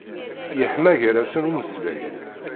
Yeḥma gar-asen umeslay.